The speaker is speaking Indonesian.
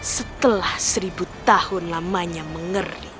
setelah seribu tahun lamanya mengeri